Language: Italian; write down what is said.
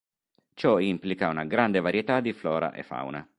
Ciò implica una grande varietà di flora e fauna.